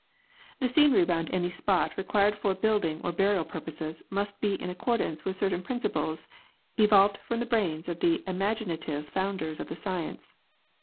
The scenery round any spot required for building or burial purposes must be in accordance with certain principles evolved from the brains of the imaginative founders of the science.